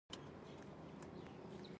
اصلي هدف د پيسو ترلاسه کولو غوښتنه ده.